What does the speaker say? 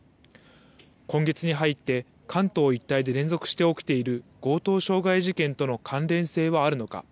今月に入って、関東一帯で連続して起きている強盗傷害事件との関連性はあるのか。